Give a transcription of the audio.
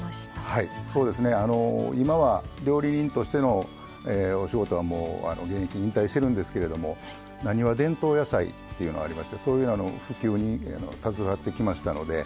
そうですねあの今は料理人としてのお仕事は現役引退してるんですけれども「なにわ伝統野菜」っていうのがありましてそういう普及に携わってきましたので。